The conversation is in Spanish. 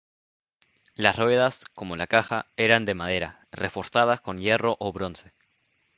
Las ruedas, como la caja, eran de madera, reforzadas con hierro o bronce.